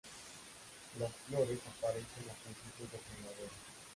Las flores aparecen a principios de primavera.